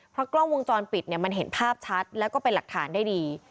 เพราะกล้องวงจรปิดเนี่ยมันเห็นภาพชัดแล้วก็เป็นหลักฐานได้ดี